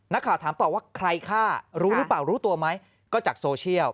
นักข่าวถามต่อว่าใครฆ่ารู้หรือเปล่ารู้ตัวไหมก็จากโซเชียล